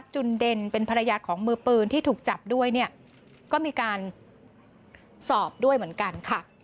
จุนเด่นเป็นภรรยาของมือปืนที่ถูกจับด้วยเนี่ยก็มีการสอบด้วยเหมือนกันค่ะ